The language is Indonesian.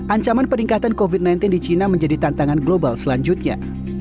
ancaman peningkatan covid sembilan belas di cina menjadi tantangan global selanjutnya